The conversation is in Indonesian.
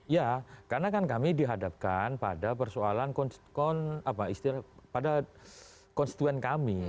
ya karena kan kami dihadapkan pada persoalan pada konstituen kami